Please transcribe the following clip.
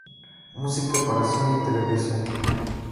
Música para cine y televisión